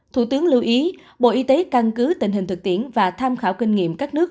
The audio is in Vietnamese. thủ tướng lưu ý bộ y tế căn cứ tình hình thực tiễn và tham khảo kinh nghiệm các nước